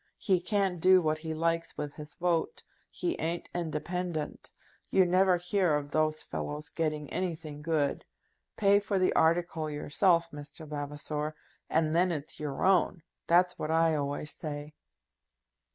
"He can't do what he likes with his vote. He ain't independent. You never hear of those fellows getting anything good. Pay for the article yourself, Mr. Vavasor, and then it's your own. That's what I always say."